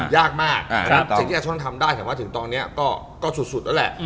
ยากมากจริงอาจจะทำได้แต่ว่าถึงตอนนี้ก็สุดแล้วแหละ